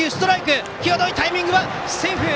際どいタイミング、セーフ！